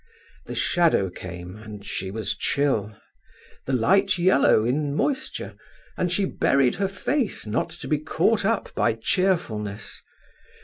The shadow came, and she was chill; the light yellow in moisture, and she buried her face not to be caught up by cheerfulness.